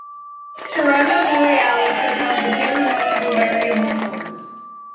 Corona Borealis is home to two remarkable variable stars.